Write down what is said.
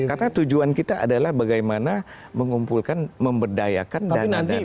karena tujuan kita adalah bagaimana mengumpulkan memberdayakan dana dana ini